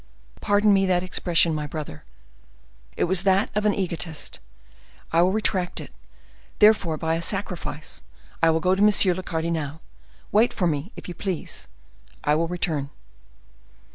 Pardon me that expression, my brother; it was that of an egotist. I will retract it, therefore, by a sacrifice,—I will go to monsieur le cardinal. Wait for me, if you please—I will return."